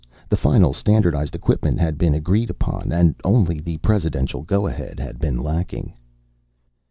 The final standardized equipment had been agreed upon, and only the Presidential go ahead had been lacking.